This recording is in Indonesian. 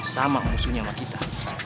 sama musuhnya sama kita